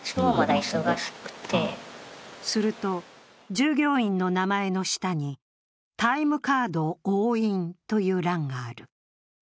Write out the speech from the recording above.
すると、従業員の名前の下に「タイムカード押印」という欄がある。